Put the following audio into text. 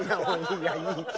いやいい。